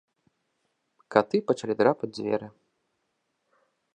Каты пачалі драпаць дзверы.